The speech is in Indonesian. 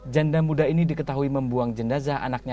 janda muda ini diketahui membuang jenazah anaknya